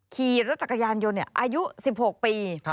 ขี่รถจักรยานยนต์อายุ๑๖ปี